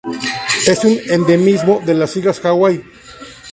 Es un endemismo de las Islas Hawaii.